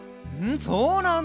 そうなんだ！